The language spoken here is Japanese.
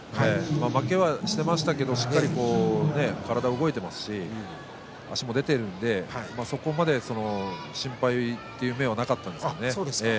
負けはしましたけど体が動いていましたし足も出ていますのでそこまで心配という面はなかったんですよね。